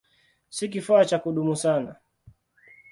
Si kifaa cha kudumu sana.